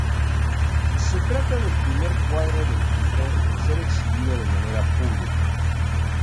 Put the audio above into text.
Se trata del primer cuadro del pintor en ser exhibido de manera pública.